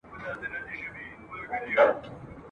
په خپل خیر چي نه پوهیږي زنداني سي !.